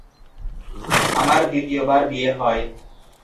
আমার দ্বিতীয়বার বিয়ে হয়।